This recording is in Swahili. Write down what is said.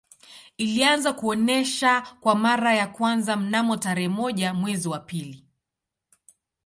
Ilianza kuonesha kwa mara ya kwanza mnamo tarehe moja mwezi wa pili